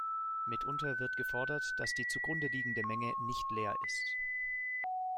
Mitunter wird gefordert, dass die zugrundeliegende Menge nicht leer ist.